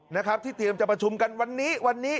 นะครับที่เตรียมจะประชุมกันวันนี้วันนี้